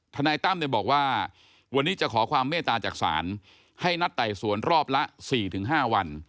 นายตั้มบอกว่าวันนี้จะขอความเมตตาจากศาลให้นัดไต่สวนรอบละ๔๕วัน